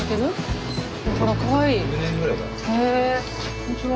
こんにちは。